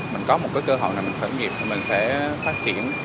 mình có một cơ hội thở nghiệp thì mình sẽ phát triển